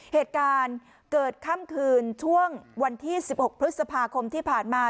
เหตุการณ์เกิดค่ำคืนช่วงวันที่๑๖พฤษภาคมที่ผ่านมา